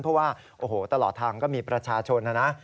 เพราะว่าโอ้โหตลอดทางก็มีประชาชนนะนะ